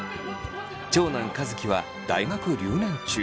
長男和樹は大学留年中。